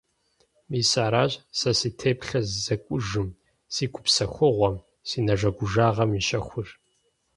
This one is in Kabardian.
Мис аращ сэ си теплъэ зэкӀужым, си гупсэхугъуэм, си нэжэгужагъым и щэхур.